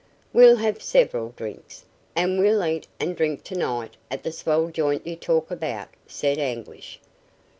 "We'll have several drinks, and we'll eat and drink tonight at the 'swell joint' you talk about," said Anguish.